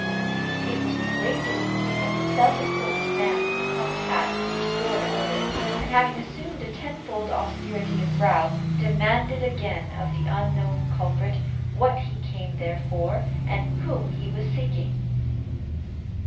It was with great difficulty that the self important man in the cocked hat restored order; and having assumed a tenfold austerity of brow, demanded again of the unknown culprit, what he came there for, and whom he was seeking.